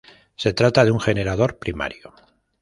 Se trata de un generador primario.